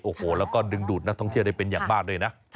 โอ้โหแล้วก็ดึงดูดนักท่องเที่ยวได้เป็นอย่างมากเลยนะ